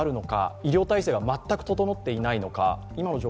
医療体制が全く整っていないのか